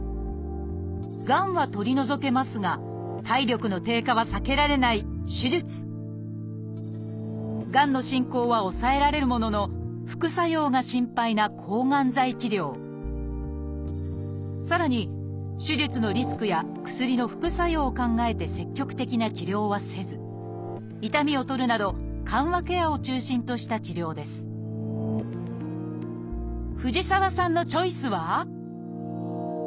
がんは取り除けますが体力の低下は避けられないがんの進行は抑えられるものの副作用が心配なさらに手術のリスクや薬の副作用を考えて積極的な治療はせず痛みを取るなど藤沢さんのチョイスは？